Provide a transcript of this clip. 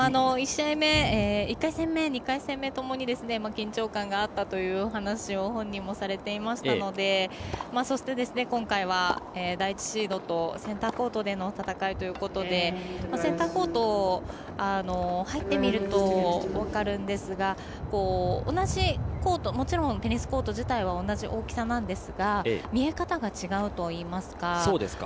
１回戦目、２回戦目ともに緊張感があったというお話を本人もされていましたのでそして、今回は第１シードとセンターコートでの戦いということでセンターコート入ってみると分かるんですがもちろんテニスコート自体は同じ大きさなんですが見え方が違うといいますか。